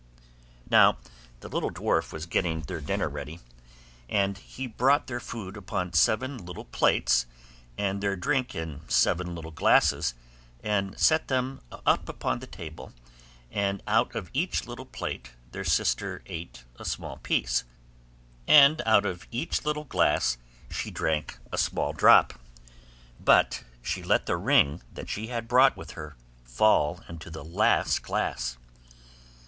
Now the little dwarf was getting their dinner ready, and he brought their food upon seven little plates, and their drink in seven little glasses, and set them upon the table, and out of each little plate their sister ate a small piece, and out of each little glass she drank a small drop; but she let the ring that she had brought with her fall into the last glass.